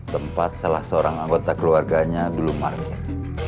tempat salah seorang anggota keluarganya dulu markir